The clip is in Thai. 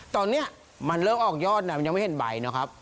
ตอนนี้มันเริ่มออกยอดนะมันยังไม่เห็นใบนะครับ